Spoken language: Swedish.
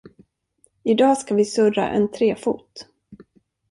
Idag ska vi surra en trefot.